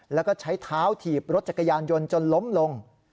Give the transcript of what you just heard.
แล้วก็ใช้เท้าถีบรถจักรยานยนต์จนล้มลง